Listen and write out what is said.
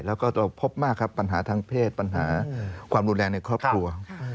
แล้วก็ตัวพบมากครับปัญหาทางเพศปัญหาความรุนแรงในครอบครัว